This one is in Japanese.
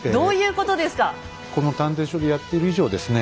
この探偵所でやってる以上ですね